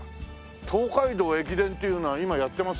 東海道駅伝っていうのは今やってます？